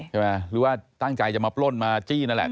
หรือว่าตั้งใจจะมาปล้นมาจี้นั่นแหละ